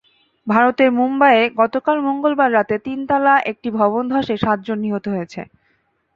ভারতের মুম্বাইয়ে গতকাল মঙ্গলবার রাতে তিনতলা একটি ভবন ধসে সাতজন নিহত হয়েছে।